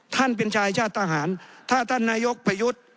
เป็นชายชาติทหารถ้าท่านนายกประยุทธ์